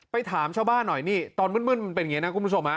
ถามชาวบ้านหน่อยนี่ตอนมืดมันเป็นอย่างนี้นะคุณผู้ชม